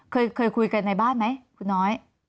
เคยคุยกันในบ้านไหมคุณน้อย